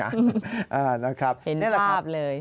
นะครับนี่แหละครับเป็นภาพเลย